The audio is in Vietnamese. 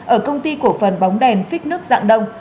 ở công ty cổ phần bóng đèn phích nước dạng đông